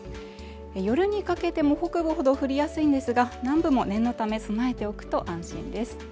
夜にかけても北部ほど降りやすいんですが、南部も念のため備えておくと安心です。